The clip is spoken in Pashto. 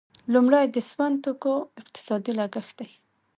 لومړی د سون توکو اقتصادي لګښت دی.